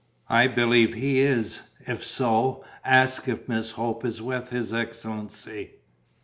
"I believe he is. If so, ask if Miss Hope is with his excellency.